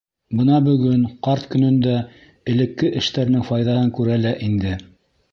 Бына бөгөн, ҡарт көнөндә, элекке эштәренең файҙаһын күрә лә инде.